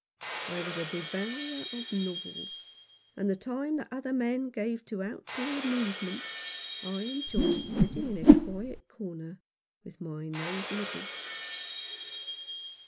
I was a devourer of novels, and the time that other men gave to out of door amusements I enjoyed sitting in a quiet 105 Rough Justice. corner, with my nose in a book.